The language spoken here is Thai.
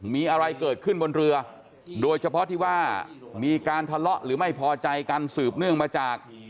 มีอะไรเกิดขึ้นบนเรือโดยเฉพาะที่ว่ามีการทะเลาะหรือไม่พอใจกันสืบเนื่องมาจาก